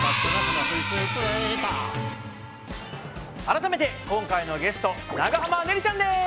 改めて今回のゲスト長濱ねるちゃんです！